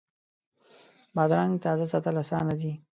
بادرنګ تازه ساتل اسانه دي.